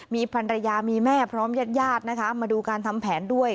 มีภรรยามีแม่พร้อมญาติญาตินะคะมาดูการทำแผนด้วย